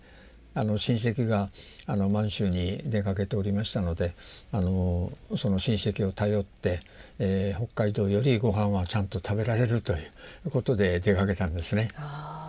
親戚が満州に出かけておりましたのでその親戚を頼って北海道よりご飯はちゃんと食べられるということで出かけたんですね。